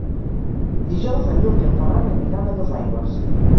Dijous en Llop i en Ferran aniran a Dosaigües.